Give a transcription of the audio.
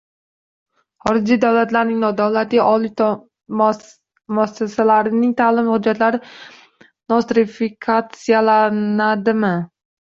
Xorijiy davlatlarning nodavlat oliy ta’lim muassasalarining ta’lim hujjatlari nostrifikatsiyalanadimi?